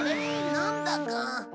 なんだか。